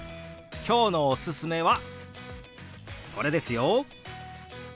今日のおすすめはこれですよ。